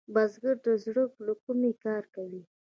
بزګر د زړۀ له کومي کار کوي